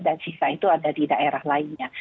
dan sisa itu ada di daerah lainnya